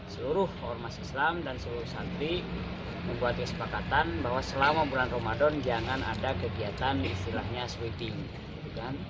seluruh ormas islam dan seluruh santri membuat kesepakatan bahwa selama bulan ramadan jangan ada kegiatan istilahnya sweeping